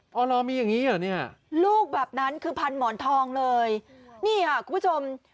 ท่าน้ำนนท์ลูกแบบนั้นคือพันหมอนทองเลยนี่คุณผู้ชม